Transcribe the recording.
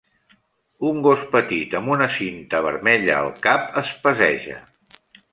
Un gos petit amb una cinta vermella al cap es passeja.